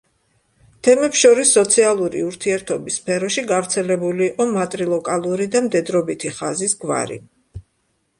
თემებს შორის სოციალური ურთიერთობის სფეროში გავრცელებული იყო მატრილოკალური და მდედრობითი ხაზის გვარი.